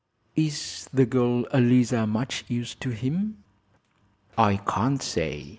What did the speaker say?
"Is the girl Eliza much use to him?" "I can't say.